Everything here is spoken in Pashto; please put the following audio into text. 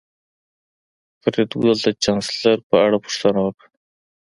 فریدګل د چانسلر په اړه پوښتنه وکړه